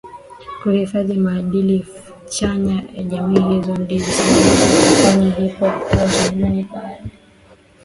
kuhifadhi maadili chanya ya jamii Hizi ndizo sababu zinazoifanya hip hop kuwa utamaduni Baadhi